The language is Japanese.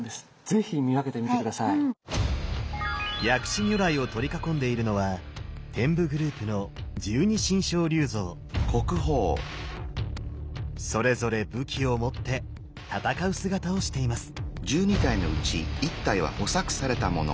薬師如来を取り囲んでいるのは天部グループのそれぞれ武器を持って戦う姿をしています。